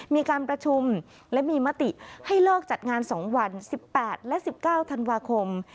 มีการประชุมและมีมติให้เลิกจัดงาน๒วัน๑๘และ๑๙ธันวาคม